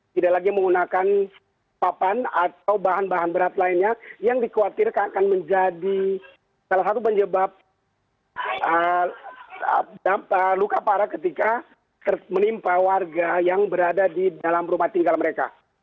tidak lagi menggunakan papan atau bahan bahan berat lainnya yang dikhawatirkan akan menjadi salah satu penyebab luka parah ketika menimpa warga yang berada di dalam rumah tinggal mereka